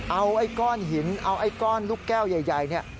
เอาไอ้ก้อนหินเอาไอ้ก้อนลูกแก้วใหญ่เนี่ย